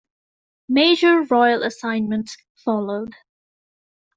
Major royal assignments followed.